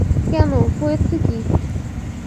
কেন, হয়েছে কী।